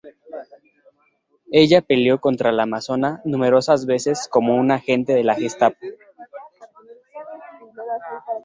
Ella peleó contra la Amazona numerosas veces como una agente de la Gestapo.